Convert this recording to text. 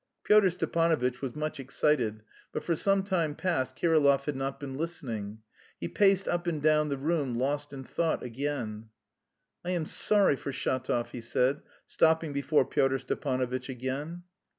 Pyotr Stepanovitch was much excited, but for some time past Kirillov had not been listening. He paced up and down the room, lost in thought again. "I am sorry for Shatov," he said, stopping before Pyotr Stepanovitch again.